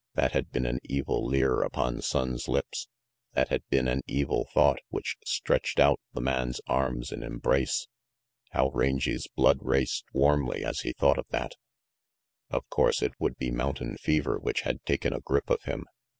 That had been an evil leer upon Sonnes' lips; that had been an evil thought which stretched out the man's arms in embrace. How Rangy's blood raced warmly as he thought of that. Of course it would be mountain fever which had taken a grip of him.